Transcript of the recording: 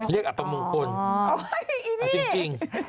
เลขอัตโนมัติจริง